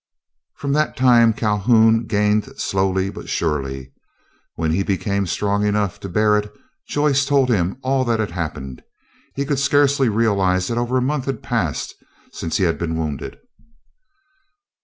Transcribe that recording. From that time Calhoun gained slowly, but surely. When he became strong enough to bear it, Joyce told him all that had happened. He could scarcely realize that over a month had passed since he had been wounded.